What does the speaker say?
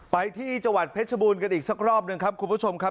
ไปที่จังหวัดเพชรบูรณ์กันอีกสักรอบหนึ่งครับคุณผู้ชมครับ